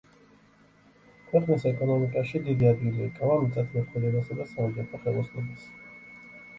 ქვეყნის ეკონომიკაში დიდი ადგილი ეკავა მიწათმოქმედებასა და საოჯახო ხელოსნობას.